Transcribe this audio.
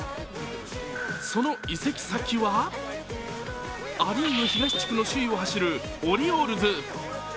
その移籍先はア・リーグ東地区の首位を走るオリオールズ。